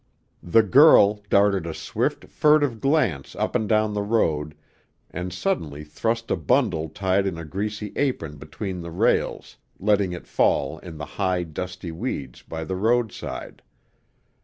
The girl darted a swift, furtive glance up and down the road, and suddenly thrust a bundle tied in a greasy apron between the rails, letting it fall in the high, dusty weeds by the roadside.